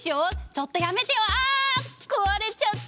「ちょっとやめてよ！ああ壊れちゃった」。